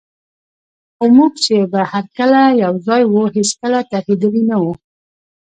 خو موږ چي به هر کله یوځای وو، هیڅکله ترهېدلي نه وو.